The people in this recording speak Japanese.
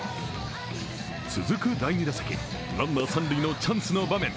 続く第２打席ランナー三塁のチャンスの場面。